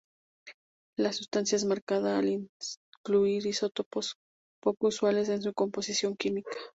La sustancia es 'marcada' al incluir isótopos poco usuales en su composición química.